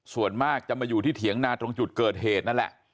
ส่วนมากจะมาอยู่ที่เถียงนาตรงจุดเกิดเหตุนั่นแหละ